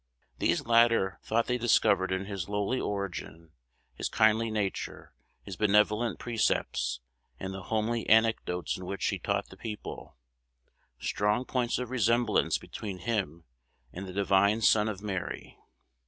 These latter thought they discovered in his lowly origin, his kindly nature, his benevolent precepts, and the homely anecdotes in which he taught the people, strong points of resemblance between him and the divine Son of Mary.